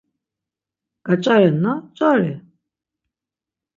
Gaç̌arenna ç̌ari.